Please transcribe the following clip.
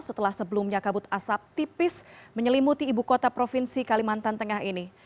setelah sebelumnya kabut asap tipis menyelimuti ibu kota provinsi kalimantan tengah ini